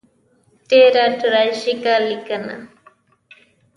ډېره تراژیکه لیکنه.